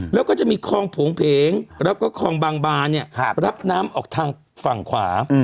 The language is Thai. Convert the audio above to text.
แล้วก็จะมีคลองโผงเพงแล้วก็คลองบางบานเนี่ยรับน้ำออกทางฝั่งขวา